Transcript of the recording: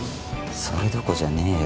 それどころじゃねぇよ